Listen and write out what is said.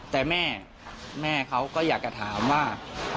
แต่แม่แม่เขาก็อยากจะถามว่า